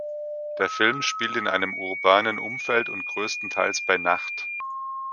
Der Film spielt in einem urbanen Umfeld und größtenteils bei Nacht.